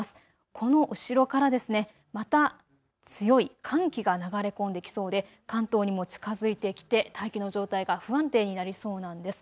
この後ろからまた強い寒気が流れ込んできそうで、関東にも近づいてきて、大気の状態が不安定になりそうなんです。